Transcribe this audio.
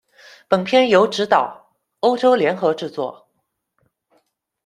本片由执导，欧洲联合制作。